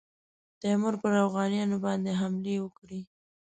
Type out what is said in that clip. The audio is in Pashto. تیمور پر اوغانیانو باندي حملې وکړې.